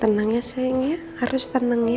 tenang ya sayang ya harus tenang ya